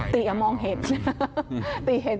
ติก็มองเห็น